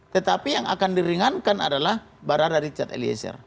tetapi yang akan diringankan adalah barada richard eliezer